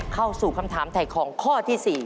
เข้าสู่คำถามถ่ายของข้อที่๔